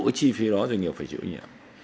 cái chi phí đó doanh nghiệp phải chịu nhiễm